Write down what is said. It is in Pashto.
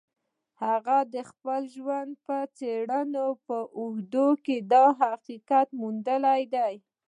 هغه د خپل ژوند د څېړنو په اوږدو کې دا حقیقت موندلی دی